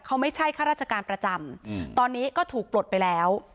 เขาไม่ใช่ข้าราชการประจำตอนนี้ก็ถูกปลดไปแล้ว